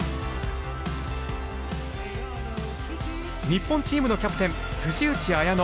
日本チームのキャプテン内彩野。